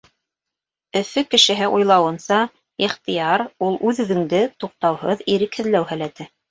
Өфө кешеһе уйлауынса, ихтыяр — ул үҙ-үҙеңде туҡтауһыҙ ирекһеҙләү һәләте.